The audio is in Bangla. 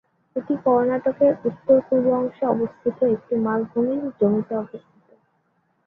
এটি কর্ণাটকের উত্তর-পূর্ব অংশে একটি মালভূমির জমিতে অবস্থিত।